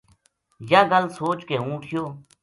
یاہ گل سوچ کے ہوں اُٹھیو